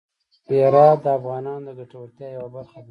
هرات د افغانانو د ګټورتیا یوه برخه ده.